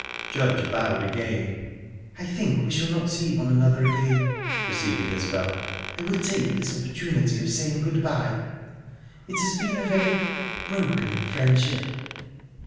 Judge bowed again. "I think we shall not see one another again," proceeded Isbel. "I will take this opportunity of saying good bye. It has been a very... broken friendship."